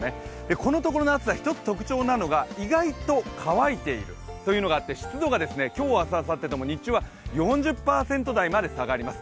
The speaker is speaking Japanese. このところの暑さ特徴なのが意外と乾いているというのがあって湿度が今日は、明日、あさってとも日中は４０％台まで下がります。